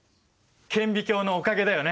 顕微鏡のおかげだよね！